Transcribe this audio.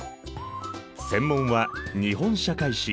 専門は日本社会史。